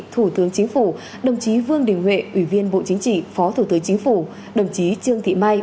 thủ tướng chính phủ đồng chí vương đình huệ ủy viên bộ chính trị phó thủ tướng chính phủ đồng chí trương thị mai